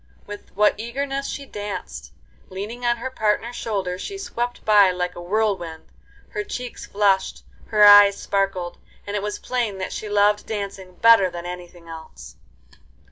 With what eagerness she danced! leaning on her partner's shoulder she swept by like a whirlwind. Her cheeks flushed, her eyes sparkled, and it was plain that she loved dancing better than anything else.